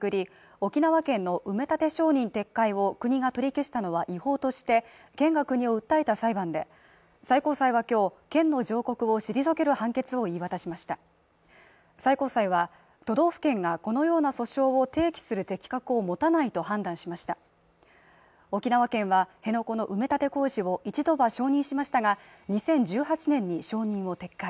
沖縄県の埋め立て承認撤回を国が取り消したのは違法として県が国を訴えた裁判で最高裁はきょう県の上告を退ける判決を言い渡しました最高裁は都道府県がこのような訴訟を提起する適格を持たないと判断しました沖縄県は辺野古の埋め立て工事を一度は承認しましたが２０１８年に承認を撤回